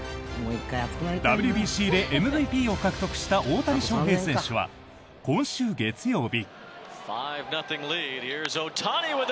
ＷＢＣでＭＶＰを獲得した大谷翔平選手は今週月曜日。